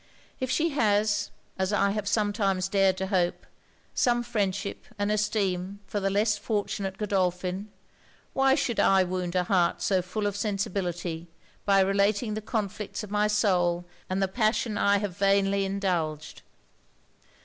If she has, as I have sometimes dared to hope, some friendship and esteem for the less fortunate Godolphin, why should I wound a heart so full of sensibility by relating the conflicts of my soul and the passion I have vainly indulged?'